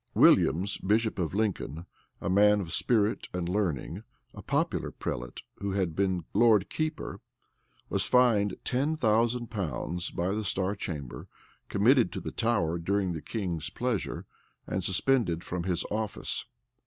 [] Williams, bishop of Lincoln, a man of spirit and learning, a popular prelate, and who had been lord keeper, was fined ten thousand pounds by the star chamber, committed to the Tower during the king's pleasure, and suspended from his office.